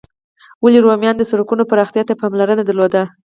ولي رومیانو د سړکونو پراختیا ته پاملرنه درلوده؟